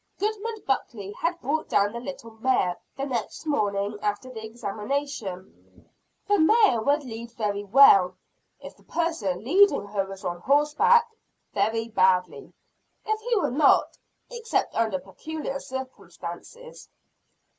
Goodman Buckley had brought down the little mare, the next morning after the examination. The mare would lead very well, if the person leading her was on horseback very badly, if he were not, except under peculiar circumstances.